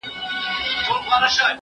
سم روان سو د خاوند د خوني خواته